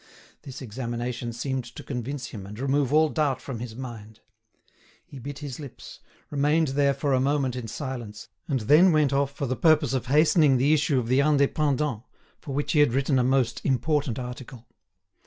This examination seemed to convince him and remove all doubt from his mind. He bit his lips, remained there for a moment in silence, and then went off for the purpose of hastening the issue of the "Indépendant," for which he had written a most important article.